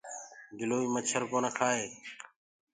گِلوئيٚ مڇر ڪونآ ڪهآئي۔